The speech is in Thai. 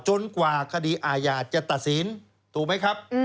กว่าคดีอาญาจะตัดสินถูกไหมครับ